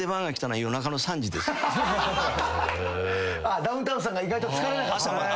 ダウンタウンさんが意外と疲れなかった。